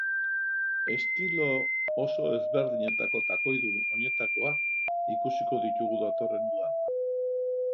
Estilo oso ezberdinetako takoidun oinetakoak ikusiko ditugu datorren udan.